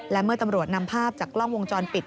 และเมื่อตำรวจนำภาพจากกล้องวงจรปิด